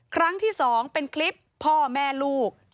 ครั้งที่๒เป็นคลิปพ่อแม่ลูก